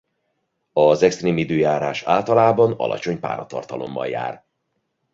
Az extrém időjárás általában alacsony páratartalommal jár.